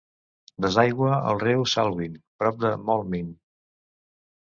Desaigua al riu Salween prop de Moulmein.